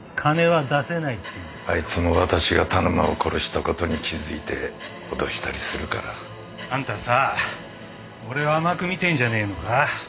あいつも私が田沼を殺した事に気づいて脅したりするから。あんたさ俺を甘く見てんじゃねえのか？